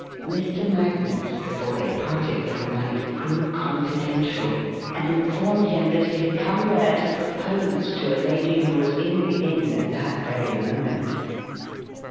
Mr. Magnus, before they parted for the night, grew confidential and informed him that he had come there to propose to a lady who was in the inn at that very moment.